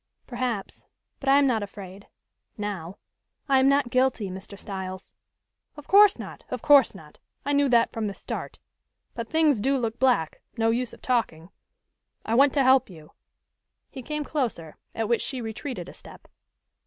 "Perhaps, but I am not afraid now. I am not guilty, Mr. Styles." "Of course not! Of course not! I knew that from the start. But things do look black, no use of talking. I want to help you." He came closer, at which she retreated a step.